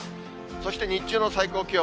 そして日中の最高気温。